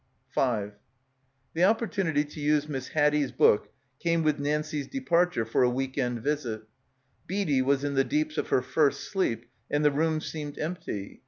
5 The opportunity to use Miss Haddie's book came with Nancie's departure for a week end visit. Readie was in the deeps of her first sleep and the room seemed empty.